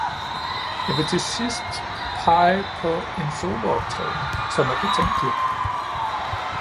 Jeg vil til sidst pege på en solooptræden, som er betænkelig.